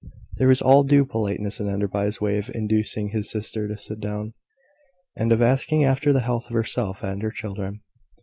There was all due politeness in Enderby's way of inducing his sister to sit down, and of asking after the health of herself and her children.